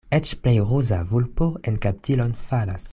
Eĉ plej ruza vulpo en kaptilon falas.